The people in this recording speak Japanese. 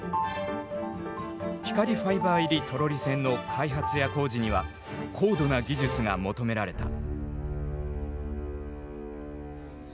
光ファイバー入りトロリ線の開発や工事には高度な技術が求められた。